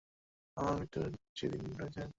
আমার মৃত্যু সেদিনই হয়েছে, স্যার।